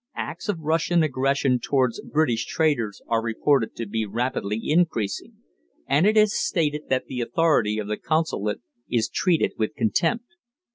Acts of Russian aggression towards British traders are reported to be rapidly increasing, and it is stated that the authority of the Consulate is treated with contempt.